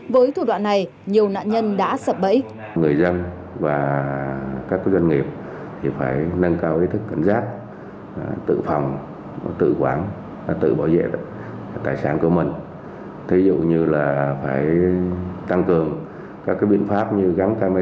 với thủ đoạn này nhiều nạn nhân đã sập bẫy